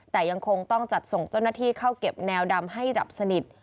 แต่ยังคงต้องจัดส่งเจ้าหน้าที่เข้าเก็บแนวดำให้ดับสนิท